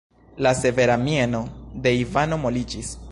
La severa mieno de Ivano moliĝis.